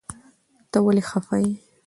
ته ولي خفه يي